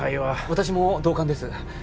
私も同感です。